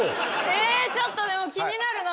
えちょっとでも気になるな。